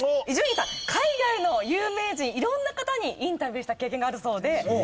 海外の有名人色んな方にインタビューした経験があるそうで。